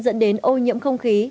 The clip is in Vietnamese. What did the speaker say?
dẫn đến ô nhiễm không khí